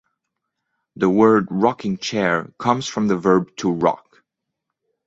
The word rocking chair comes from the verb "to rock".